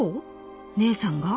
姐さんが？